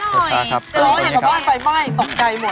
เสร็จเรื่องออกมาบ้านไฟม่ายตกใจหมด